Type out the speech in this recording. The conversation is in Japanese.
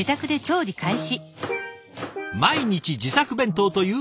毎日自作弁当という大串さん。